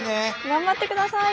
頑張ってください！